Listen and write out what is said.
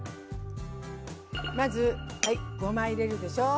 まずごま入れるでしょ。